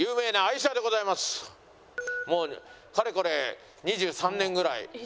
もうかれこれ２３年ぐらい。